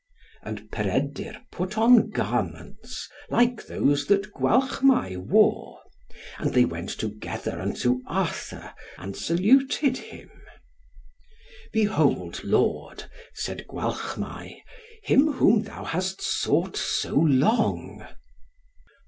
And Peredur put on garments like those that Gwalchmai wore; and they went together unto Arthur, and saluted him. "Behold, lord," said Gwalchmai, "him whom thou hast sought so long."